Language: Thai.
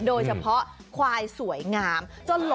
โดยเฉพาะควายสวยงามจนหลงรัก